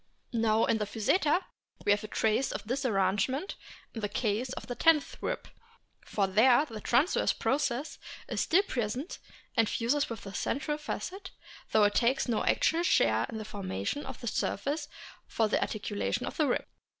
Now in Physeter we have a trace of this arrange ment in the case of the tenth rib, for there the transverse process is still present and fuses with the central facet, though it takes no actual share in the formation of the surface for the articulation of the rib.